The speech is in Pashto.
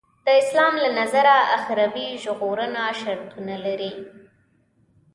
د اسلام له نظره اخروي ژغورنه شرطونه لري.